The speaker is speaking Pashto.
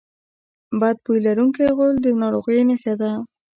بد بوی لرونکی غول د ناروغۍ نښه ده.